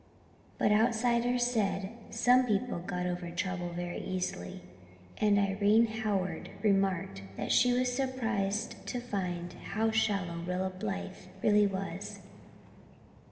But outsiders said some people got over trouble very easily, and Irene Howard remarked that she was surprised to find how shallow Rilla Blythe really was.